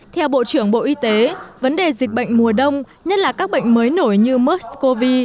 theo bộ trưởng bộ y tế vấn đề dịch bệnh mùa đông nhất là các bệnh mới nổi như mers cov